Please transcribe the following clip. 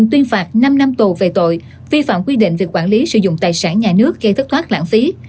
tuyên phạt năm năm tù về tội vi phạm quy định về quản lý sử dụng tài sản nhà nước gây thất thoát lãng phí